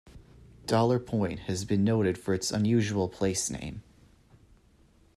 Dollar Point has been noted for its unusual place name.